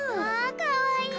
かわいい。